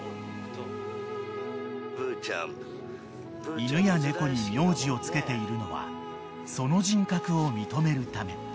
［犬や猫に名字を付けているのはその人格を認めるため］